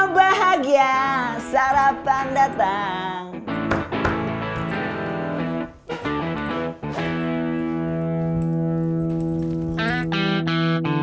kayaknya ada yang apa heures on youtube